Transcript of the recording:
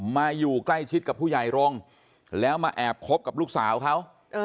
มาอยู่ใกล้ชิดกับผู้ใหญ่รงค์แล้วมาแอบคบกับลูกสาวเขา